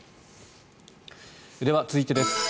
では続いてです。